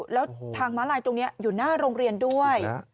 แล้วทางม้าลายตรงนี้อยู่หน้าโรงเรียนด้วย